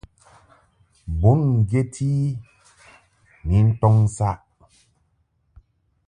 Bùn ŋgyet i ni ntɔŋ saʼ.